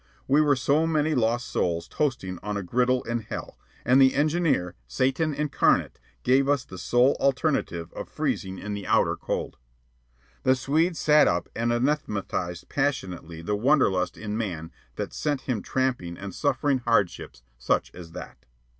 We were so many lost souls toasting on a griddle in hell, and the engineer, Satan Incarnate, gave us the sole alternative of freezing in the outer cold. The Swede sat up and anathematized passionately the wanderlust in man that sent him tramping and suffering hardships such as that.